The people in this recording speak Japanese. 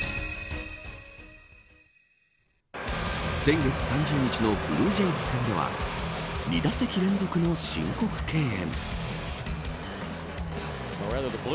先月３０日のブルージェイズ戦では２打席連続の申告敬遠。